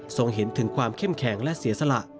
เห็นถึงความเข้มแข็งและเสียสละ